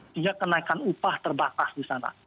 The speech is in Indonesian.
sehingga kenaikan upah terbatas di sana